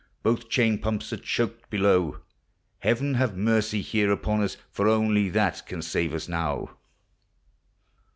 Both chain pumps are choked below : Heaven have mercy here upon us! For onlv that can save us now.